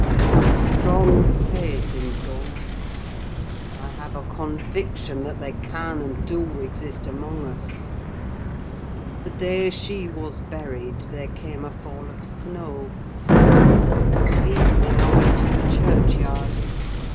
I have a strong faith in ghosts: I have a conviction that they can, and do, exist among us! The day she was buried, there came a fall of snow. In the evening I went to the churchyard.